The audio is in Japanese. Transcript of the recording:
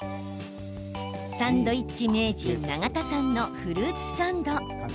サンドイッチ名人ナガタさんのフルーツサンド。